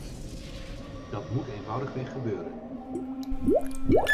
Dat moet eenvoudigweg gebeuren.